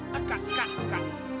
kak kak kak